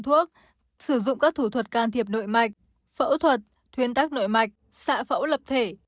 thuốc sử dụng các thủ thuật can thiệp nội mạch phẫu thuật thuyên tắc nội mạch xạ phẫu lập thể